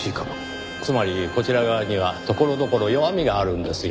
つまりこちら側にはところどころ弱みがあるんですよ。